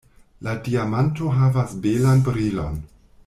La diamanto havas belan brilon.